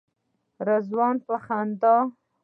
رضوان په خندا.